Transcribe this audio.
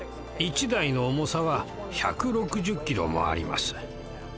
１台の重さは１６０キロもあります。